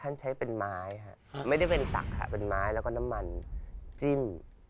ใช้เป็นไม้ค่ะไม่ได้เป็นสักค่ะเป็นไม้แล้วก็น้ำมันจิ้ม